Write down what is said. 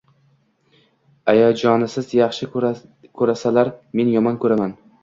Ayajoniz yaxshi koʻrsalar, men yomon koʻraman.